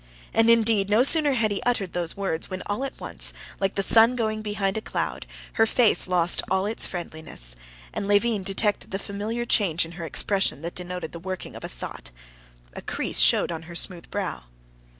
And indeed, no sooner had he uttered these words, when all at once, like the sun going behind a cloud, her face lost all its friendliness, and Levin detected the familiar change in her expression that denoted the working of thought; a crease showed on her smooth brow.